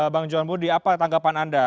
bang johan budi apa tanggapan anda